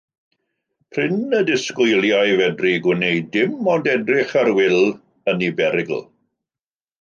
Prin y disgwyliai fedru gwneud dim ond edrych ar Wil yn ei berygl.